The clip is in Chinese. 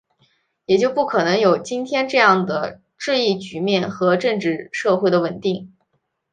也就不可能有今天这样的治疫局面和政治社会的稳定